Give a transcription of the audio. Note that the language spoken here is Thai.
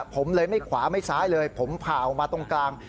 ผมเลยไม่ขวาไม่ซ้ายเลยผมผ่าออกมาตรงกลาง